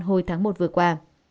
hồi tháng một vừa qua